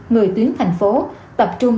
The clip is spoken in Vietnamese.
người tuyến thành phố tập trung